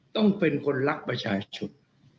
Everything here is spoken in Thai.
ต้องเป็นคนรักประชาชน